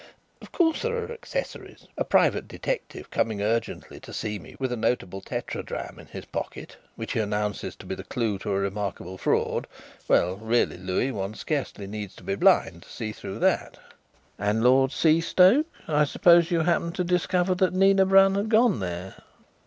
Of course, there are accessories. A private detective coming urgently to see me with a notable tetradrachm in his pocket, which he announces to be the clue to a remarkable fraud well, really, Louis, one scarcely needs to be blind to see through that." "And Lord Seastoke? I suppose you happened to discover that Nina Brun had gone there?"